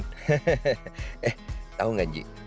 eh tau nggak ji